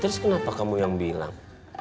terus kenapa kamu yang bilang